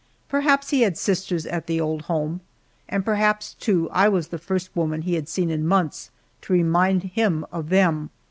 Perhaps he had sisters at the old home, and perhaps, too, I was the first woman he had seen in months to remind him of them.